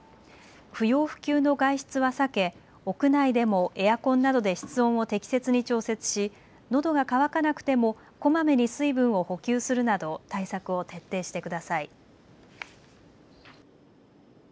不要不急の外出は避け屋内でもエアコンなどで室温を適切に調節し、のどが渇かなくてもこまめに水分を補給するなど対策を徹底してください。